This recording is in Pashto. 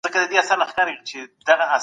د سياستپوهنې اصول په هر پړاو کي ورته نه وو.